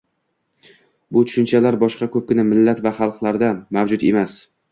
Bu tushunchalar boshqa koʻpgina millat va xalqlarda mavjud emas.